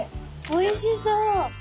おいしそう！